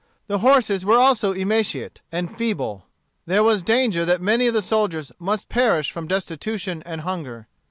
The horses were also emaciate and feeble. There was danger that many of the soldiers must perish from destitution and hunger.